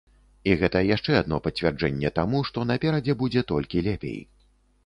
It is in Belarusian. І гэта яшчэ адно пацвярджэнне таму, што наперадзе будзе толькі лепей.